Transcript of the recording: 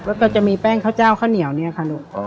แล้วก็จะมีแป้งข้าวเจ้าข้าวเหนียวเนี่ยค่ะลูก